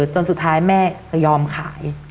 จนสุดท้ายแม่ก็ยอมขาย